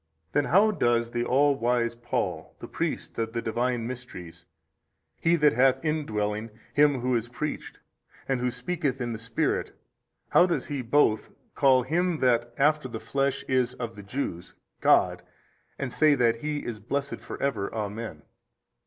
A. Then how does the all wise Paul, the priest of the Divine mysteries, he that hath indwelling Him Who is preached, and who speaketh in the Spirit: how does he both call Him that after the flesh is of the Jews, God and say that He is blessed for ever, amen?